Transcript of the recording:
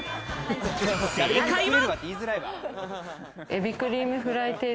正解は？